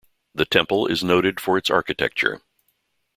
The temple is noted for its architecture.